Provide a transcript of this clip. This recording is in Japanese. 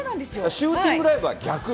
シューティングライブは逆？